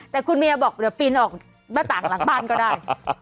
แต่คุณเมียบอกเดี๋ยวปีนออกบ้านหลังบ้านก็ได้